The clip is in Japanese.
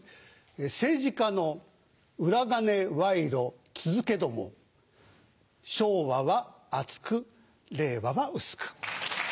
政治家の裏金賄賂続けども昭和は厚く令和は薄く。